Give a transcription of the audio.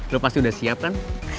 lo pasti udah siap kan